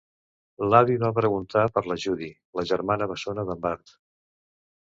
L'avi va preguntar per la Judy, la germana bessona d'en Bart.